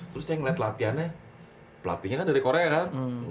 terus saya ngeliat latihannya pelatihnya kan dari korea kan